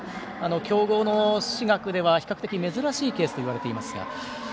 強豪の私学では、比較的珍しいケースといわれていますが。